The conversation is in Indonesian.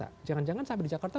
apa nggak untuk klik slide